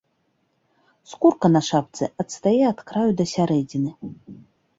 Скурка на шапцы адстае ад краю да сярэдзіны.